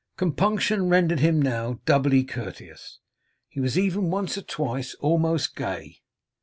Compunction rendered him now doubly courteous; he was even once or twice almost gay.